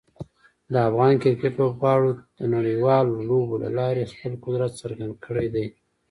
د افغان کرکټ لوبغاړو د نړیوالو لوبو له لارې خپل قدرت څرګند کړی دی.